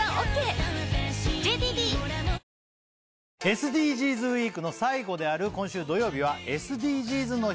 ＳＤＧｓＷＥＥＫの最後である今週土曜日は「ＳＤＧｓの日」